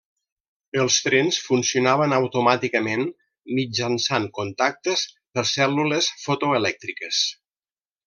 Els trens funcionaven automàticament mitjançant contactes per cèl·lules fotoelèctriques.